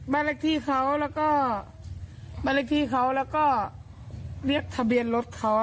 บรรยากาศที่เขาแล้วก็บรรยากาศที่เขาแล้วก็เรียกทะเบียนรถเขาอ่ะ